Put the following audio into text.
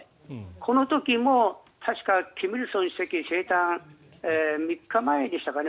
この時も確か金日成主席生誕３日前でしたかね